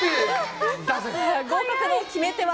合格の決め手は？